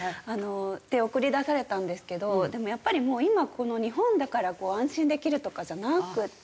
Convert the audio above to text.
送り出されたんですけどでもやっぱりもう今日本だから安心できるとかじゃなくて。